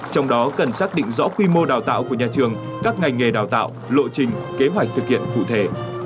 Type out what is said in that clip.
trong đó cần xác định rõ quy mô đào tạo của nhà trường các ngành nghề đào tạo lộ trình kế hoạch thực hiện cụ thể